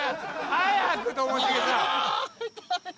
・早くともしげさんあーっ！